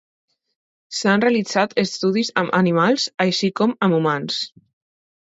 S'han realitzat estudis amb animals, així com amb humans.